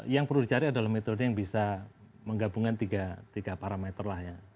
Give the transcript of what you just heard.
yang perlu dicari adalah metode yang bisa menggabungkan tiga parameter lah ya